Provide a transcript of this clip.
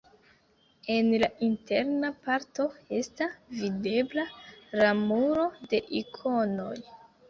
En la interna parto esta videbla la muro de ikonoj.